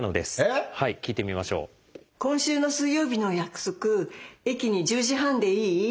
「今週の水曜日の約束駅に１０時半でいい？